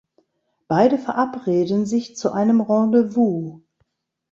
Beide verabreden sich zu einem Rendezvous.